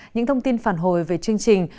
những thông tin phản hồi về chương trình